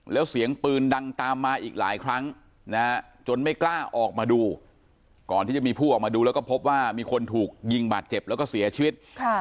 แล้วเสียงปืนดังตามมาอีกหลายครั้งจนไม่กล้าออกมาดูก่อนที่จะมีผู้ออกมาดูแล้วก็พบว่ามีคนถูกยิงบาดเจ็บแล้วก็เสียชีวิต